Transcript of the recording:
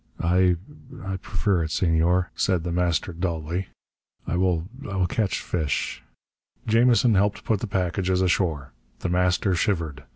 "I prefer it, Senor," said The Master dully. "I I will catch fish...." Jamison helped put the packages ashore. The Master shivered.